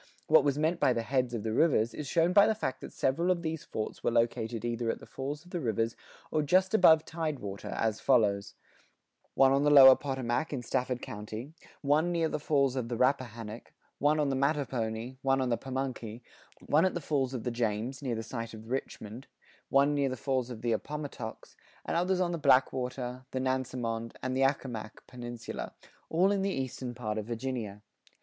What was meant by the "heads of the rivers," is shown by the fact that several of these forts were located either at the falls of the rivers or just above tidewater, as follows: one on the lower Potomac in Stafford County; one near the falls of the Rappahannock; one on the Mattapony; one on the Pamunky; one at the falls of the James (near the site of Richmond); one near the falls of the Appomattox, and others on the Blackwater, the Nansemond, and the Accomac peninsula, all in the eastern part of Virginia.